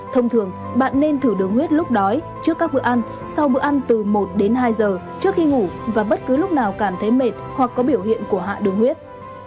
thông thường bạn nên thử đường huyết lúc đói trước các bữa ăn sau bữa ăn từ một đến hai giờ trước khi ngủ và bất cứ lúc nào cảm thấy mệt hoặc có biểu hiện của hạ đường huyết